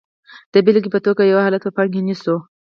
د بېلګې په توګه یو حالت په پام کې نیسو.